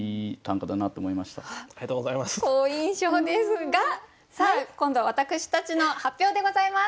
好印象ですが今度は私たちの発表でございます。